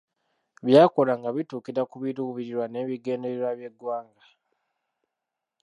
By'akola nga bituukira ku biruubirirwa n’ebigendererwa by’eggwanga.